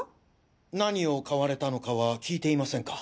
何を買われたのかは聞いていませんか？